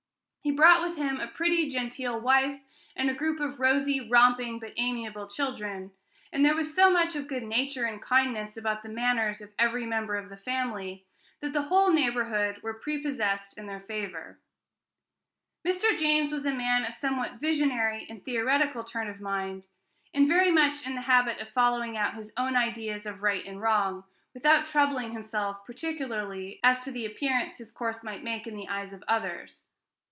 He brought with him a pretty, genteel wife, and a group of rosy, romping, but amiable children; and there was so much of good nature and kindness about the manners of every member of the family, that the whole neighborhood were prepossessed in their favor. Mr. James was a man of somewhat visionary and theoretical turn of mind, and very much in the habit of following out his own ideas of right and wrong, without troubling himself particularly as to the appearance his course might make in the eyes of others.